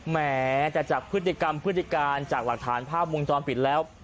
แม้แต่จากพฤติกรรมพฤติการจากหลักฐานภาพวงจรปิดแล้ว